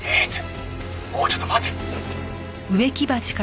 もうちょっと待て！」